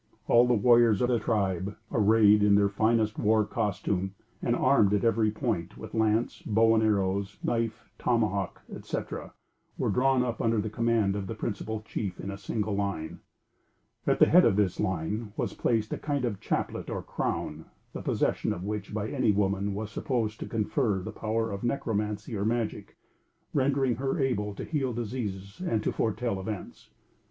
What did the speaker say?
All the warriors of the tribe, arrayed in their fiercest war costume and armed at every point with lance, bow and arrow, knife, tomahawk, etc., were drawn up under command of the principal chief, in single line. At the head of this line was placed a kind of chaplet, or crown, the possession of which by any woman was supposed to confer the power of necromancy or magic, rendering her able to heal diseases and to foretell events.